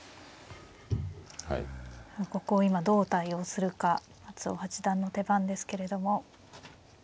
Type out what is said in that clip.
ここを今どう対応するか松尾八段の手番ですけれども。